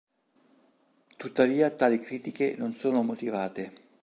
Tuttavia tali critiche non sono motivate.